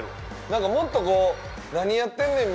なんかもっとこう何やってんねん！